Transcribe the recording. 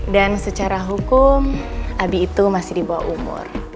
dan secara hukum abi itu masih di bawah umur